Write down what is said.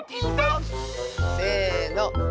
せの。